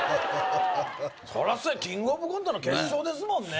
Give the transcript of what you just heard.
そらそやキングオブコントの決勝ですもんね